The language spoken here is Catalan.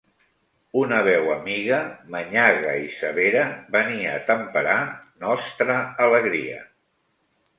Una veu amiga, manyaga i severa, venia a temperar nostra alegria.